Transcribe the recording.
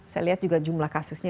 saya lihat juga jumlah kasusnya